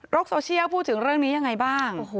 โซเชียลพูดถึงเรื่องนี้ยังไงบ้าง